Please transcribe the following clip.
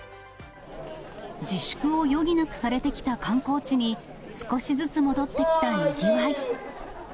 自粛を余儀なくされてきた観光地に、少しずつ戻ってきたにぎわい。